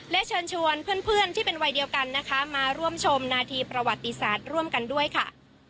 และเชิญชวนเพื่อนที่เป็นวัยเดียวกันนะคะมาร่วมชมนาทีประวัติศาสตร์ร่วมกันด้วยค่ะ